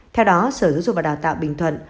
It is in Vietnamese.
theo đó sở dụng và đào tạo bình thuận